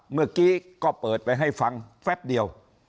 เมื่อกี้ก็เปิดไปให้ฟังแป๊บเดียว